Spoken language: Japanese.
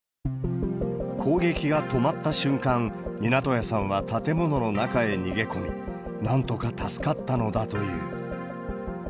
攻撃が止まった瞬間、湊屋さんは建物の中へ逃げ込み、なんとか助かったのだという。